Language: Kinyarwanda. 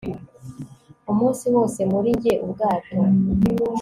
umunsi wose muri njye-ubwato